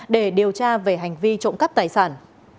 để điều tra về hành vi trộm cắp tài sản